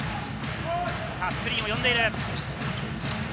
スクリーンを呼んでいる。